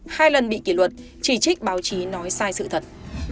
hai lần bị kỷ luật chỉ trích báo chí nói sai sự thật